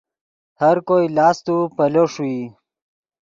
ہر کوئی لاست و پیلو ݰوئی